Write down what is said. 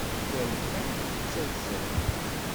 Yal ta tettazzal.